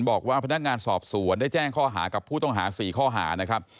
บอกว่าพนักงานสอบสวนได้แจ้งข้อหากับผู้ต้องหา๔ข้อหานะครับ